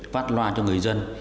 phát loa cho người dân